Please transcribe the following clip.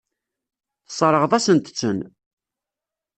Tesseṛɣeḍ-asent-ten.